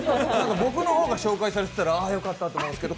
僕の方が紹介されてたらよかったって思うんですけど